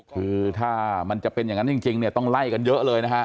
คือถ้ามันจะเป็นอย่างนั้นจริงเนี่ยต้องไล่กันเยอะเลยนะฮะ